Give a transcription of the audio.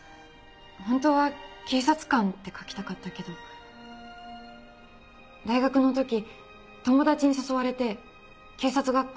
ホントは「警察官」って書きたかったけど大学のとき友達に誘われて警察学校の見学会行ったの。